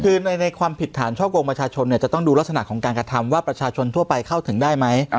คือในความผิดฐานช่อกงประชาชนจะต้องดูลักษณะของการกระทำว่าประชาชนทั่วไปเข้าถึงได้ไหม